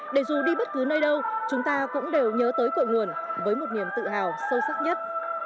để dù đi bất cứ nơi đâu chúng ta cũng đều nhớ tới cội nguồn với một niềm tự hào sâu sắc nhất